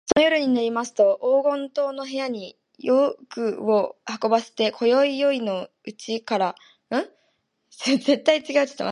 その夜になりますと、黄金塔の部屋に夜具を運ばせて、宵よいのうちから床にはいり、すきなたばこをふかしながら、まじまじと宝物の見はり番をつとめるのでした。